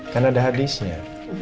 kan ada hadisnya